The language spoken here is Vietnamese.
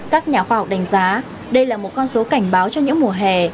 các nhà khoa học đánh giá đây là một con số cảnh báo cho những mùa hè